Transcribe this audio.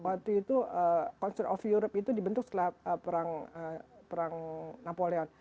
waktu itu concern of europe itu dibentuk setelah perang napoleon